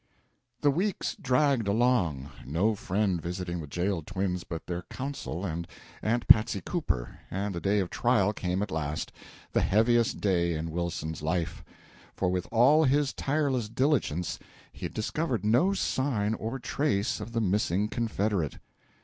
The weeks dragged along, no friend visiting the jailed twins but their counsel and Aunt Patsy Cooper, and the day of trial came at last the heaviest day in Wilson's life; for with all his tireless diligence he had discovered no sign or trace of the missing confederate.